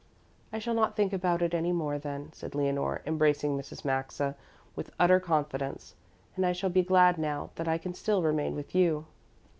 "I shall not think about it any more then," said Leonore, embracing Mrs. Maxa with utter confidence, "and I shall be glad now that I can still remain with you."